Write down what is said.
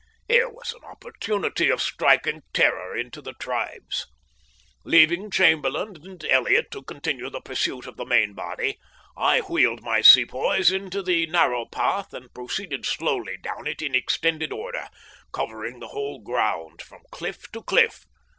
Here was an opportunity of striking terror into the tribes. Leaving Chamberlain and Elliott to continue the pursuit of the main body, I wheeled my Sepoys into the narrow path and proceeded slowly down it in extended order, covering the whole ground from cliff to cliff.